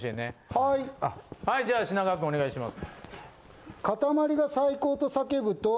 はいじゃあ品川くんお願いします。